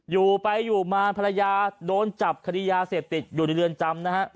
อยู่ไปอยู่มาภรรยาโดนจับคดียาเสพติดอยู่ในเรือนจำนะฮะ